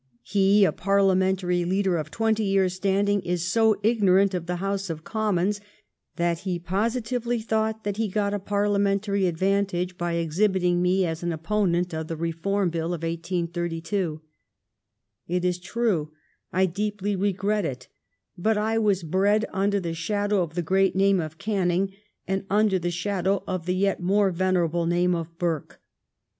He, a Parliamentary leader of twenty years' standing, is so ignorant of the House of Commons that he positively thought that he got a Parliamentary advantage by exhibiting me as an opponent of the Reform Bill of 1832. It is true, I deeply regret it, but I was bred under the shadow of the great name of Canning and under the shadow of the yet more venerable name of Burke.